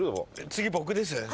次僕です。